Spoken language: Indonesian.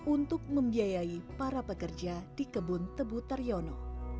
untuk membiayai para pekerja di kebun tebu taryono